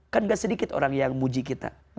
kan gak sedikit orang yang muji kita